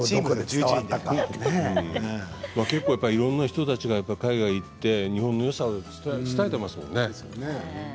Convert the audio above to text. いろんな人たちが海外に行って日本のよさを伝えていますよね。